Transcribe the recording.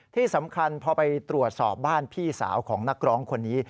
ที่สำคัญพอไปตรวจสอบบ้านพี่สาวของนักร้องคนนี้